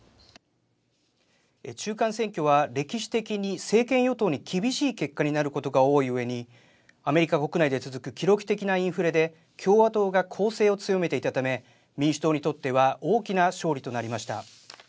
中間選挙は歴史的に政権与党に厳しい結果になることが多いうえにアメリカ国内で続く記録的なインフレで共和党が攻勢を強めていたため民主党にとっては大きな勝利となりました。